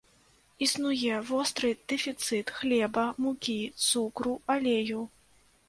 Існуе востры дэфіцыт хлеба, мукі, цукру, алею.